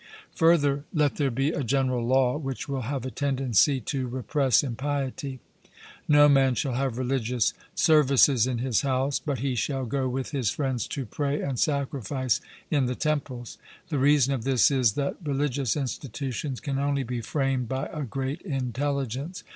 Further, let there be a general law which will have a tendency to repress impiety. No man shall have religious services in his house, but he shall go with his friends to pray and sacrifice in the temples. The reason of this is, that religious institutions can only be framed by a great intelligence.